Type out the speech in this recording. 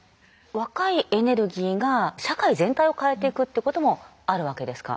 若いエネルギーが社会全体を変えていくってこともあるわけですか？